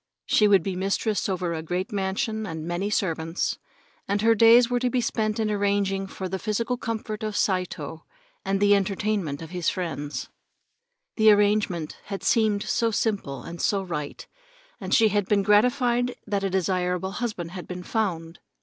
She would be mistress over a great mansion and many servants, and her days were to be spent in arranging for the physical comfort of Saito and the entertainment of his friends. The arrangement had seemed so simple, and so right, and she had been gratified that a desirable husband had been found.